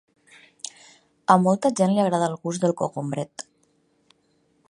A molta gent li agrada el gust del cogombret.